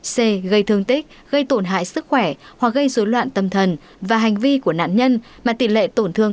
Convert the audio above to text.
c gây thương tích gây tổn hại sức khỏe hoặc gây dối loạn tâm thần và hành vi của nạn nhân mà tỷ lệ tổn thương